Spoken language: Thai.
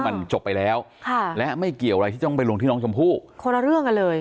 มันจบไปแล้วค่ะและไม่เกี่ยวอะไรที่ต้องไปลงที่น้องชมพู่คนละเรื่องกันเลย